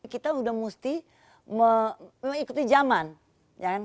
kita sudah mesti mengikuti zaman ya kan